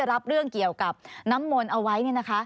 รับเรื่องเกี่ยวกับน้ำมนต์เอาไว้